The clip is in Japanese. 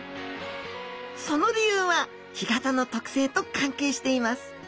その理由は干潟の特性と関係しています。